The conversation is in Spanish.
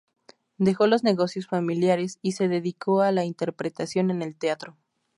Dejó los negocios familiares y se dedicó a la interpretación en el teatro.